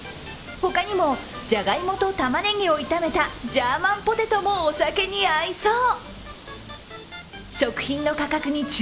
他にもじゃがいもと玉ねぎを炒めたジャーマンポテトもお酒に合いそう。